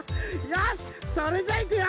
よしっそれじゃいくよ！